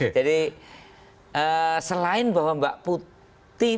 jadi selain bahwa mbak putih